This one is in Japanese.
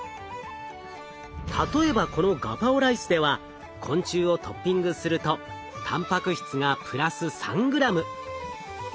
例えばこのガパオライスでは昆虫をトッピングするとたんぱく質がプラス３ｇ。